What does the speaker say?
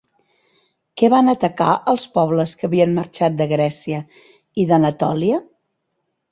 Què van atacar els pobles que havien marxat de Grècia i d'Anatòlia?